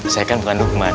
saya kan bukan lukman